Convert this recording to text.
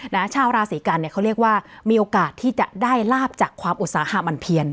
ชาวราศีกันเนี่ยเขาเรียกว่ามีโอกาสที่จะได้ลาบจากความอุตสาหะมันเพียน